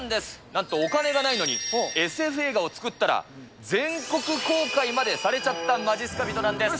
なんとお金がないのに、ＳＦ映画を作ったら、全国公開までされちゃったまじっすか人なんです。